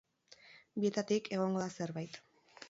Bietatik egongo da zerbait.